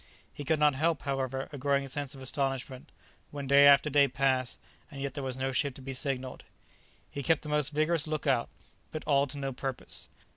He could not help, however, a growing sense of astonishment, when day after day passed, and yet there was no ship to be signalled. He kept the most vigourous look out, but all to no purpose.